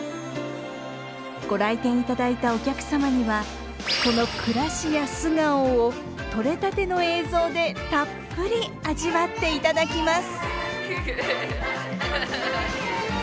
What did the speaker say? ご来店いただいたお客様にはその暮らしや素顔を撮れたての映像でたっぷり味わっていただきます。